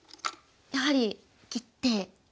やはり切って。